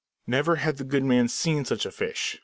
Never had the good man seen such a fish!